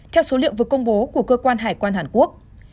theo số liệu vừa công bố của cơ quan hải quan hàn quốc